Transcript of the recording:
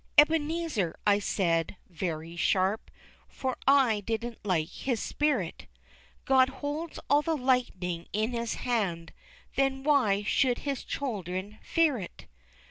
"Ebenezer," I said, very sharp, For I didn't like his spirit, "God holds all the lightning in His hand, Then why should His children fear it?